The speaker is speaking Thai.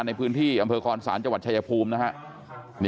ในพื้นที่อำเภอคอนศาลจังหวัดชายภูมินะฮะ